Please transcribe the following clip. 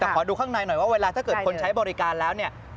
แต่ขอดูข้างในหน่อยว่าเวลาถ้าเกิดคนใช้บริการแล้วเนี่ย